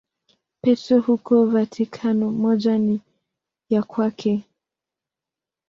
Petro huko Vatikano, moja ni ya kwake.